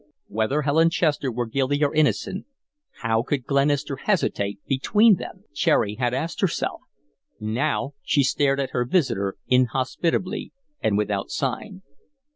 Whether Helen Chester were guilty or innocent, how could Glenister hesitate between them? Cherry had asked herself. Now she stared at her visitor inhospitably and without sign.